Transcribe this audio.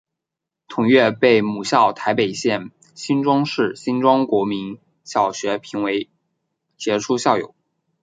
同月被母校台北县新庄市新庄国民小学评为杰出校友。